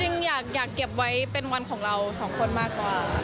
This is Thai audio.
จริงอยากเก็บไว้เป็นวันของเราสองคนมากกว่า